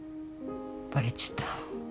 バレちゃった。